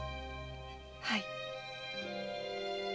はい！